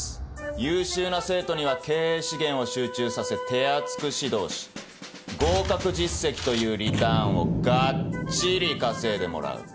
優秀な生徒には経営資源を集中させ手厚く指導し合格実績というリターンをがっちり稼いでもらう。